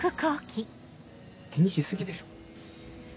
気にし過ぎでしょ。